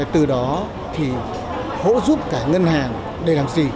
từ đó thì hỗ giúp cả ngân hàng để làm gì